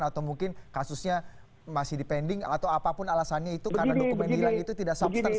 atau mungkin kasusnya masih dipending atau apapun alasannya itu karena dokumen hilang itu tidak substansi